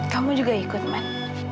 kamu juga ikut man